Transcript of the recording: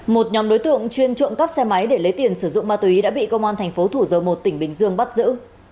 một nhóm đối tượng chuyên trộm cắp xe máy để lấy tiền sử dụng ma túy đã bị công an thành phố thủ dầu một tỉnh bình dương bắt giữ